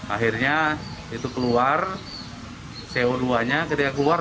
akhirnya itu keluar co dua nya ketika keluar